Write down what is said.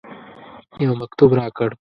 یو مکتوب راکړ.